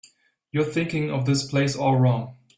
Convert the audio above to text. You're thinking of this place all wrong.